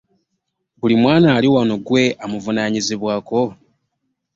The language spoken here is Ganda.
Buli mwana ali wano gwe amuvunanyizibwako.